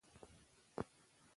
که ټوټه وي نو ګوډی نه سړیږي.